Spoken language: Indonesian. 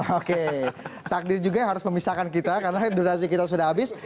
oke takdir juga yang harus memisahkan kita karena durasi kita sudah habis